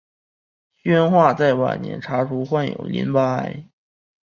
宣化在晚年查出患有淋巴癌。